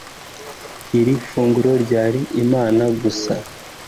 iri funguro ryari imana gusa